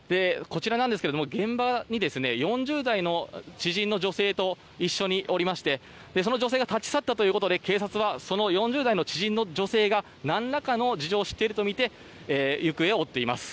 こちらなんですが、現場に４０代の知人の女性と一緒におりましてその女性が立ち去ったということで警察はその４０代の知人の女性が何らかの事情を知っているとみて行方を追っています。